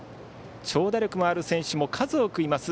長打力もある選手も数多くいます